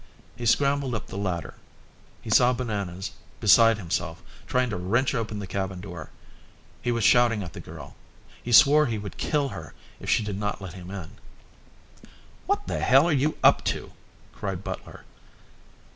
He scrambled up the ladder. He saw Bananas, beside himself, trying to wrench open the cabin door. He was shouting at the girl. He swore he would kill her if she did not let him in. "What in hell are you up to?" cried Butler.